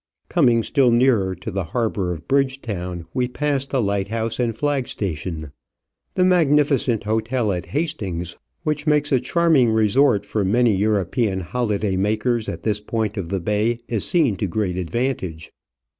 Coming still nearer to the harbour of Bridgetown we pass the lighthouse and flag station. The magni ficent hotel at Hastings, which makes a charming resort for many European holiday makers, at this point of the bay is seen to great advantage.